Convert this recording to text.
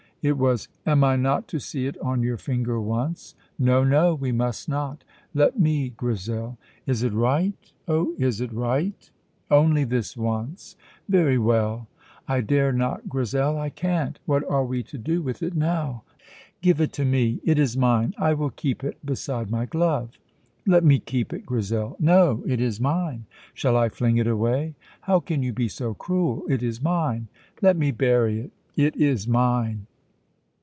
It was "Am I not to see it on your finger once?" "No, no; we must not." "Let me, Grizel!" "Is it right, oh, is it right?" "Only this once!" "Very well!" "I dare not, Grizel, I can't! What are we to do with it now?" "Give it to me. It is mine. I will keep it, beside my glove." "Let me keep it, Grizel." "No; it is mine." "Shall I fling it away?" "How can you be so cruel? It is mine." "Let me bury it." "It is mine."